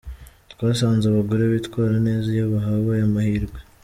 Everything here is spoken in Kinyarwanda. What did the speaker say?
Twasanze abagore bitwara neza iyo bahawe aya mahirwe.